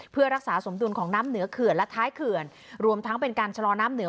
เพื่อรักษาสมดุลของน้ำเหนือเขื่อนและท้ายเขื่อนรวมทั้งเป็นการชะลอน้ำเหนือ